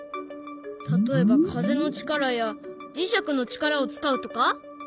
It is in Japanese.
例えば風の力や磁石の力を使うとか？